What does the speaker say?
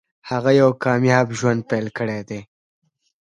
هغه یو کامیاب ژوند پیل کړی دی